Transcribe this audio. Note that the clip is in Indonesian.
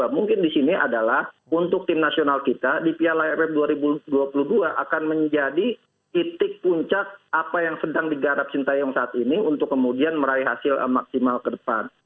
mungkin di sini adalah untuk tim nasional kita di piala aff dua ribu dua puluh dua akan menjadi titik puncak apa yang sedang digarap sintayong saat ini untuk kemudian meraih hasil maksimal ke depan